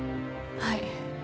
はい。